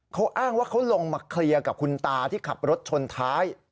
เขาอ้างว่าเขาลงมาเคลียร์กับคุณตาที่ขับรถชนท้าย